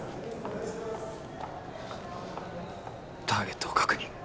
ターゲットを確認。